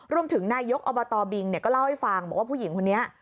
รวมถึงนายยกอบตบิงก็เล่าให้ฟังว่าผู้หญิงคนนี้